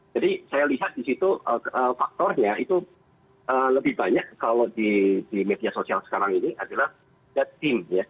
jadi saya lihat di situ faktornya itu lebih banyak kalau di media sosial sekarang ini adalah ada tim ya